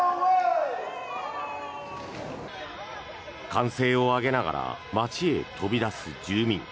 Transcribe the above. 歓声を上げながら街へ飛び出す住民。